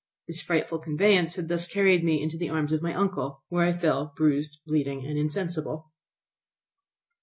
This frightful conveyance had thus carried me into the arms of my uncle, where I fell bruised, bleeding, and insensible.